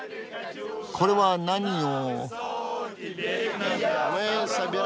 これは何を？